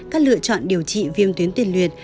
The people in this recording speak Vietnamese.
các lựa chọn điều trị viêm tuyến tiền liệt